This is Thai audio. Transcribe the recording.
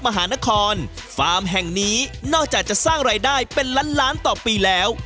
มหานครฟาร์มแห่งนี้นอกจากจะสร้างรายได้เป็นล้านล้านต่อปีแล้ว